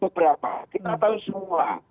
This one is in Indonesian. kita tahu semua